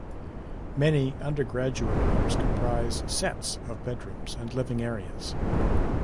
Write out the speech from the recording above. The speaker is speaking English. Many undergraduate rooms comprise 'sets' of bedrooms and living areas.